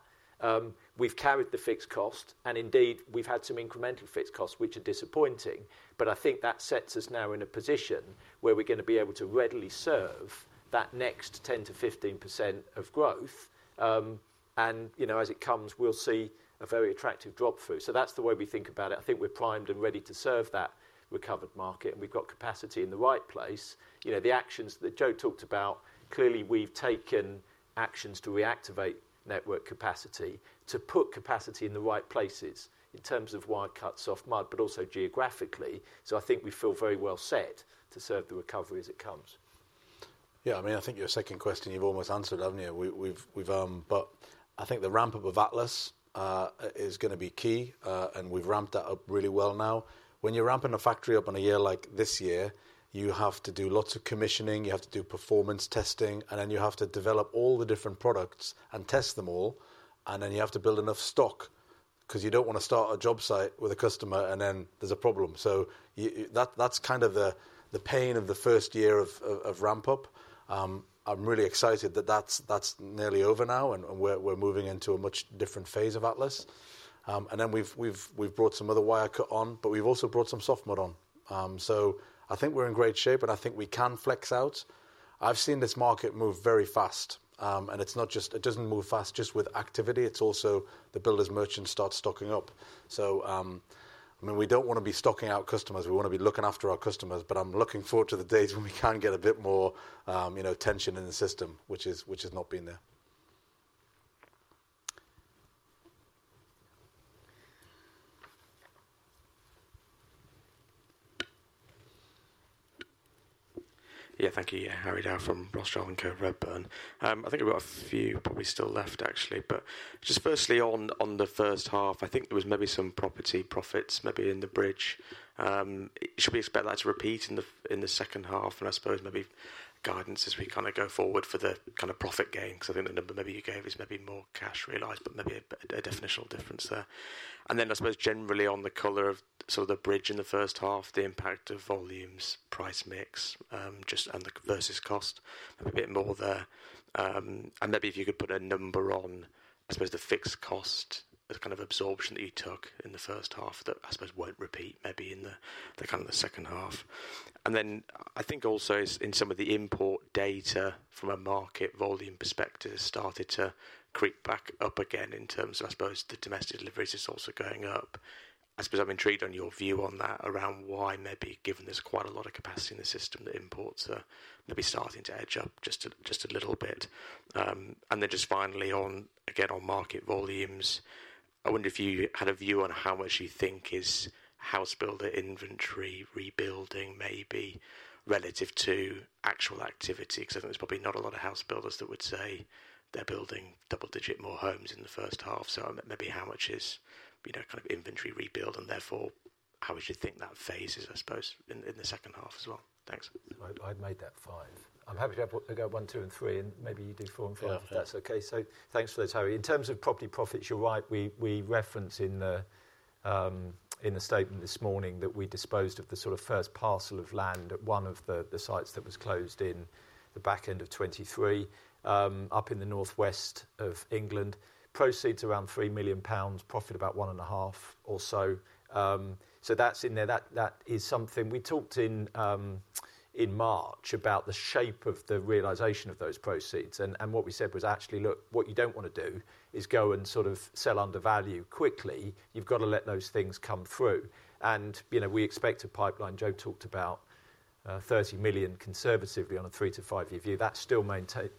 Speaker 2: We've carried the fixed cost, and indeed, we've had some incremental fixed costs, which are disappointing. I think that sets us now in a position where we're going to be able to readily serve that next 10%-15% of growth. As it comes, we'll see a very attractive drop through. That's the way we think about it. I think we're primed and ready to serve that recovered market, and we've got capacity in the right place. The actions that Joe talked about, clearly we've taken actions to reactivate network capacity, to put capacity in the right places in terms of wire-cut, soft mud, but also geographically. I think we feel very well set to serve the recovery as it comes.
Speaker 1: Yeah, I mean, I think your second question you've almost answered, haven't you? I think the ramp-up of Atlas is going to be key, and we've ramped that up really well now. When you're ramping a factory up in a year like this year, you have to do lots of commissioning, you have to do performance testing, and you have to develop all the different products and test them all. You have to build enough stock because you don't want to start a job site with a customer and then there's a problem. That's kind of the pain of the first year of ramp-up. I'm really excited that that's nearly over now and we're moving into a much different phase of Atlas. We've brought some other wire-cut on, but we've also brought some soft mud on. I think we're in great shape, and I think we can flex out. I've seen this market move very fast, and it doesn't move fast just with activity, it's also the builders' merchants start stocking up. We don't want to be stocking out customers, we want to be looking after our customers, but I'm looking forward to the days when we can get a bit more, you know, tension in the system, which has not been there.
Speaker 9: Yeah, thank you. Harry Dow from Rothschild & Co Redburn I think we've got a few, but we still left actually, but just firstly on the first half, I think there was maybe some property profits maybe in the bridge. Should we expect that to repeat in the second half? I suppose maybe guidance as we kind of go forward for the kind of profit gain, because I think the number maybe you gave is maybe more cash realized, but maybe a definitional difference there. I suppose generally on the color of sort of the bridge in the first half, the impact of volumes, price mix, just and the versus cost, maybe a bit more there. Maybe if you could put a number on, I suppose the fixed cost, the kind of absorption that you took in the first half that I suppose won't repeat maybe in the kind of the second half. I think also in some of the import data from a market volume perspective has started to creep back up again in terms of I suppose the domestic deliveries is also going up. I suppose I'm intrigued on your view on that around why maybe given there's quite a lot of capacity in the system that imports are maybe starting to edge up just a little bit. Finally, again, on market volumes, I wonder if you had a view on how much you think is house builder inventory rebuilding maybe relative to actual activity, because I think there's probably not a lot of house builders that would say they're building double digit more homes in the first half. Maybe how much is, you know, kind of inventory rebuild and therefore how we should think that phase is, I suppose, in the second half as well. Thanks.
Speaker 1: I'd made that five. I'm happy to go one, two, and three, and maybe you do four and five if that's okay.
Speaker 2: Thanks for this, Harry. In terms of property profits, you're right. We referenced in the statement this morning that we disposed of the sort of first parcel of land at one of the sites that was closed in the back end of 2023, up in the northwest of England. Proceeds around 3 million pounds, profit about 1.5 million or so. That's in there. That is something we talked in March about, the shape of the realization of those proceeds. What we said was actually, look, what you don't want to do is go and sort of sell under value quickly. You've got to let those things come through. We expect a pipeline, Joe talked about, 30 million conservatively on a three to five-year view. That's still maintained,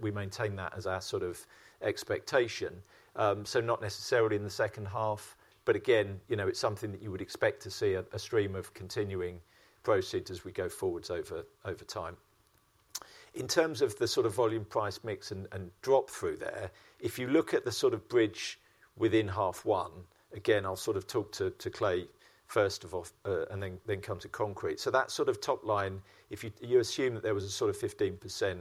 Speaker 2: we maintain that as our sort of expectation. Not necessarily in the second half, but again, it's something that you would expect to see a stream of continuing proceeds as we go forwards over time. In terms of the sort of volume price mix and drop through there, if you look at the sort of bridge within half one, I'll sort of talk to Clay first of all and then come to Concrete. That sort of top line, if you assume that there was a sort of 15%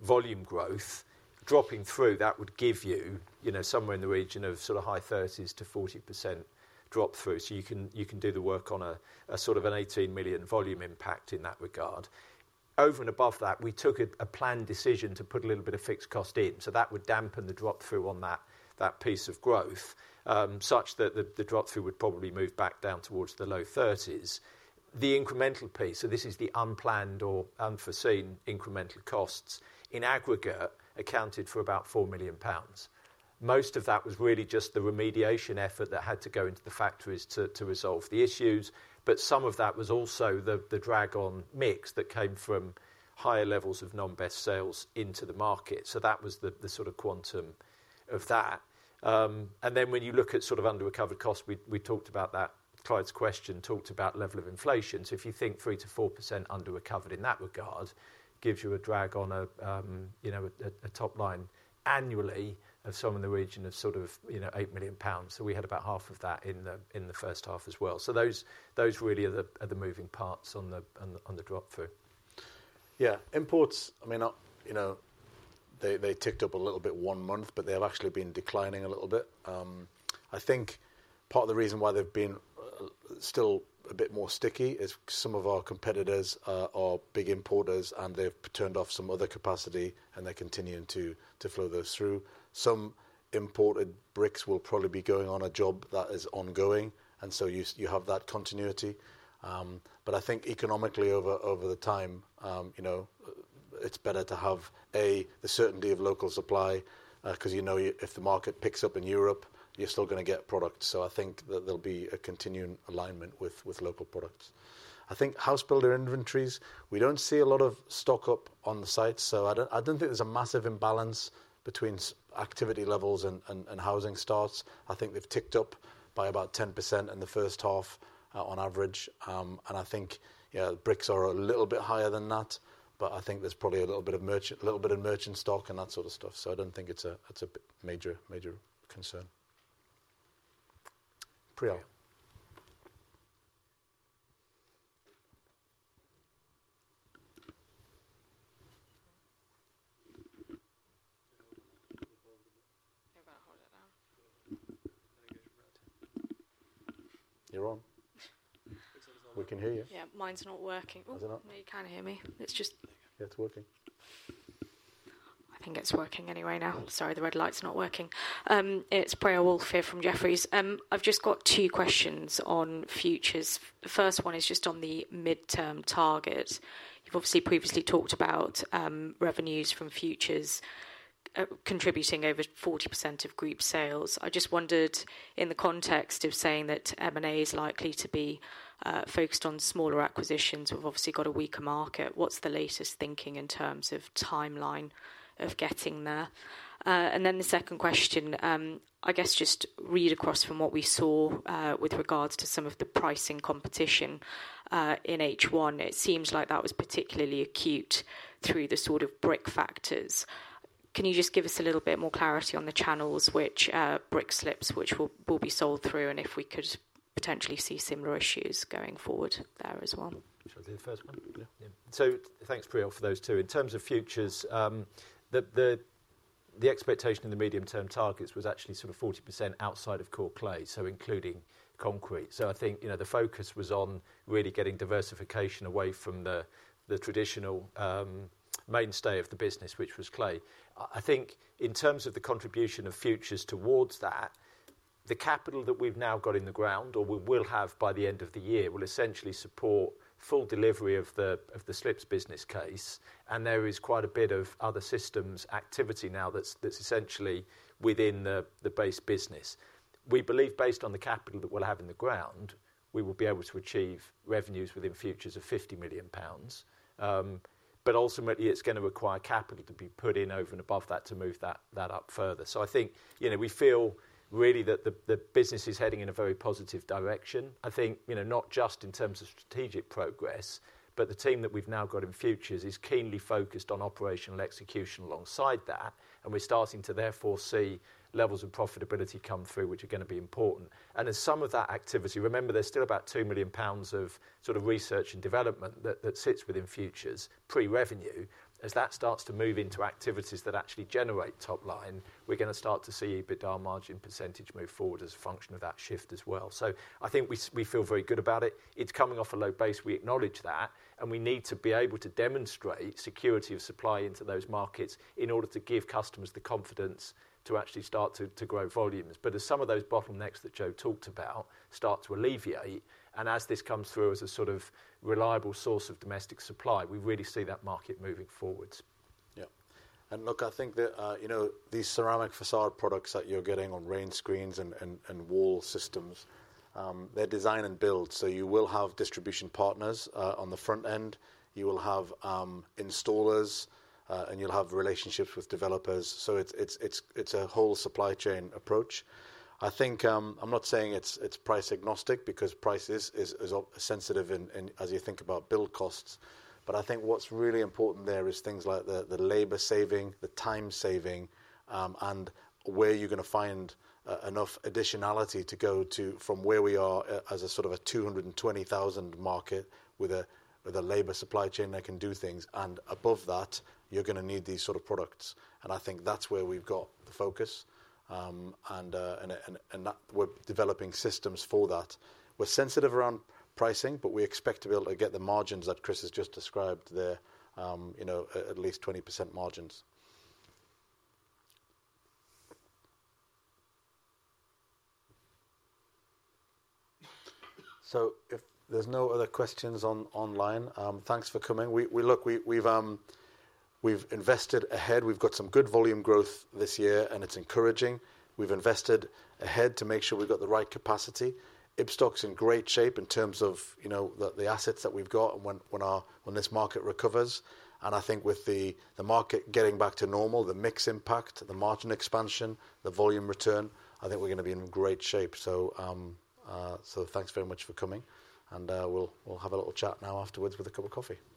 Speaker 2: volume growth dropping through, that would give you somewhere in the region of sort of high 30s%40% drop through. You can do the work on a sort of an 18 million volume impact in that regard. Over and above that, we took a planned decision to put a little bit of fixed cost in. That would dampen the drop through on that piece of growth, such that the drop through would probably move back down towards the low 30s%. The incremental piece, this is the unplanned or unforeseen incremental costs, in aggregate accounted for about 4 million pounds. Most of that was really just the remediation effort that had to go into the factories to resolve the issues, but some of that was also the drag-on mix that came from higher levels of non-best sales into the market. That was the sort of quantum of that. When you look at sort of under-recovered costs, we talked about that, Clyde's question, talked about level of inflation. If you think 3%-4% under-recovered in that regard, gives you a drag on a top line annually of some in the region of 8 million pounds. We had about half of that in the first half as well. Those really are the moving parts on the drop through.
Speaker 1: Yeah, imports, I mean, they ticked up a little bit one month, but they've actually been declining a little bit. I think part of the reason why they've been still a bit more sticky is some of our competitors are big importers and they've turned off some other capacity and they're continuing to flow those through. Some imported bricks will probably be going on a job that is ongoing and you have that continuity. I think economically over the time, it's better to have a certainty of local supply because if the market picks up in Europe, you're still going to get product. I think that there'll be a continuing alignment with local products. I think house builder inventories, we don't see a lot of stock up on the sites. I don't think there's a massive imbalance between activity levels and housing starts. I think they've ticked up by about 10% in the first half on average. I think bricks are a little bit higher than that, but I think there's probably a little bit of merchant stock and that sort of stuff. I don't think it's a major concern. Priyal, you're on. We can hear you.
Speaker 10: Yeah, mine's not working. Oh no, you can't hear me.
Speaker 1: It's working.
Speaker 10: I think it's working anyway now. Sorry, the red light's not working. It's Priyal Woolf here from Jefferies. I've just got two questions on futures. The first one is just on the medium-term target. You've obviously previously talked about revenues from futures contributing over 40% of group sales. I just wondered in the context of saying that M&A is likely to be focused on smaller acquisitions, we've obviously got a weaker market. What's the latest thinking in terms of timeline of getting there? The second question, I guess just read across from what we saw with regards to some of the pricing competition in H1. It seems like that was particularly acute through the sort of brick factories. Can you just give us a little bit more clarity on the channels which brick slips will be sold through and if we could potentially see similar issues going forward there as well?
Speaker 2: Sure, the first one. Yeah. Thanks, Priyal Control Period Seven, for those two. In terms of Futures, the expectation in the medium-term targets was actually sort of 40% outside of core clay, so including Concrete. I think the focus was on really getting diversification away from the traditional mainstay of the business, which was clay. In terms of the contribution of Futures towards that, the capital that we've now got in the ground or we will have by the end of the year will essentially support full delivery of the brick slips business case. There is quite a bit of other systems activity now that's essentially within the base business. We believe based on the capital that we'll have in the ground, we will be able to achieve revenues within Futures of 50 million pounds. Ultimately, it's going to require capital to be put in over and above that to move that up further. I think we feel really that the business is heading in a very positive direction. Not just in terms of strategic progress, but the team that we've now got in Futures is keenly focused on operational execution alongside that. We're starting to therefore see levels of profitability come through, which are going to be important. As some of that activity, remember, there's still about 2 million pounds of research and development that sits within Futures pre-revenue. As that starts to move into activities that actually generate top line, we're going to start to see EBITDA margin % move forward as a function of that shift as well. I think we feel very good about it. It's coming off a low base. We acknowledge that. We need to be able to demonstrate security of supply into those markets in order to give customers the confidence to actually start to grow volumes. As some of those bottlenecks that Joe talked about start to alleviate, and as this comes through as a reliable source of domestic supply, we really see that market moving forwards.
Speaker 1: Yeah. I think that, you know, these ceramic facade products that you're getting on rain screens and wall systems, they're design and build. You will have distribution partners on the front end. You will have installers, and you'll have relationships with developers. It's a whole supply chain approach. I'm not saying it's price agnostic because price is sensitive as you think about build costs. What's really important there is things like the labor saving, the time saving, and where you're going to find enough additionality to go to from where we are as a sort of a 220,000 market with a labor supply chain that can do things. Above that, you're going to need these sort of products. That's where we've got the focus. We're developing systems for that. We're sensitive around pricing, but we expect to be able to get the margins that Chris has just described there, you know, at least 20% margins. If there's no other questions online, thanks for coming. We've invested ahead. We've got some good volume growth this year, and it's encouraging. We've invested ahead to make sure we've got the right capacity. Ibstock's in great shape in terms of, you know, the assets that we've got and when this market recovers. I think with the market getting back to normal, the mix impact, the margin expansion, the volume return, we're going to be in great shape. Thanks very much for coming. We'll have a little chat now afterwards with a cup of coffee.